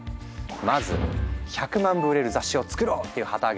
まず「１００万部売れる雑誌を作ろう」という旗揚げをする人がいる。